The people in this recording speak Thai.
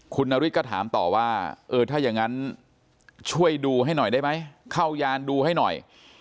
คุณนฤทธิก็ถามต่อว่าเออถ้าอย่างนั้นช่วยดูให้หน่อยได้ไหมเข้ายานดูให้หน่อย